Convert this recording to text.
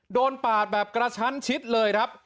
ปาดแบบกระชั้นชิดเลยครับ